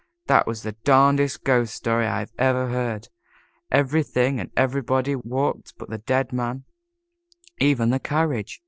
"That is the darnedest ghost story I ever heard. Everything and everybody walked but the dead man even the carriage."